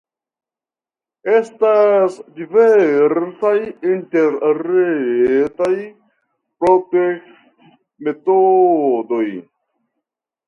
Estas diversaj interretaj protestmetodoj.